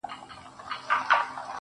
چي مي بایللی و، وه هغه کس ته ودرېدم .